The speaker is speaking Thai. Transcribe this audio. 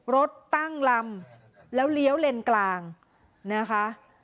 รถตั้งลำแล้วเลี้ยวเลนกลางนะคะ